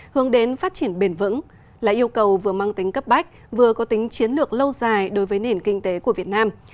hướng đến phát triển bền vững là yêu cầu vừa mang tính cấp bách vừa có tính chiến lược lâu dài đối với nền kinh tế của việt nam